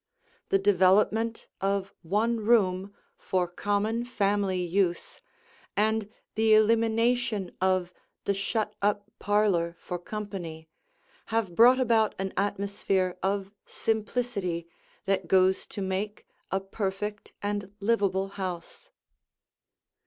The development of one room for common family use, and the elimination of the shut up parlor for company, have brought about an atmosphere of simplicity that goes to make a perfect and livable house.